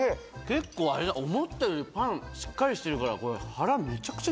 結構あれだ思ったよりパンしっかりしてるからこれ。